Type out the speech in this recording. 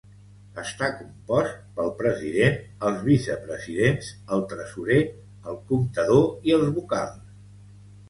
Està compost pel President, els Vicepresidents, el tresorer, el comptador i els vocals.